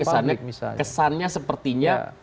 apa lagi kesannya sepertinya